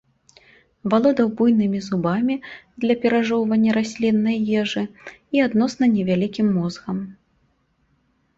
Валодаў буйнымі зубамі для перажоўвання расліннай ежы і адносна невялікім мозгам.